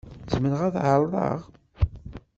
Zemreɣ ad t-ɛerḍeɣ?